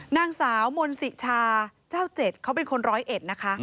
นางสาวมนศิชาเจ้าเจ็ดเขาเป็นคนร้อยเอ็ดนะคะ